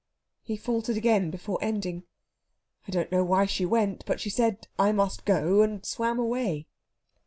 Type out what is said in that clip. He faltered again before ending. "I don't know why she went, but she said, 'I must go,' and swam away."